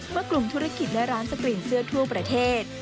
เมื่อกลุ่มธุรกิจและร้านสกรีนเสื้อทั่วประเทศ